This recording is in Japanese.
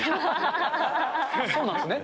そうなんですね。